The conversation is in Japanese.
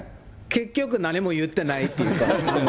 結局、何も言ってないっていうことですね。